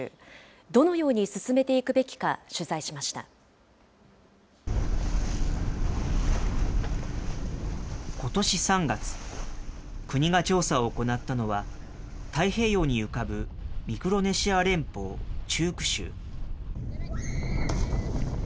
どのように進めていくべきか、取ことし３月、国が調査を行ったのは、太平洋に浮かぶ、ミクロネシア連邦チューク州。